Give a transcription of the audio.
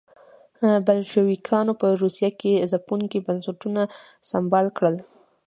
بلشویکانو په روسیه کې ځپونکي بنسټونه سمبال کړل.